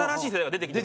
出てきてる？